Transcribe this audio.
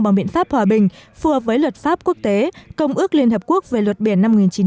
bằng biện pháp hòa bình phù hợp với luật pháp quốc tế công ước liên hợp quốc về luật biển năm một nghìn chín trăm tám mươi hai